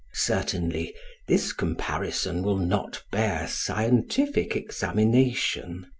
Certainly this comparison will not bear scientific examination.